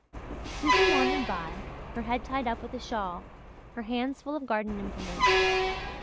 Susan wandered by, her head tied up with a shawl, her hands full of garden implements.